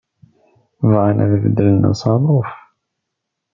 Bɣan ad beddlen asaḍuf.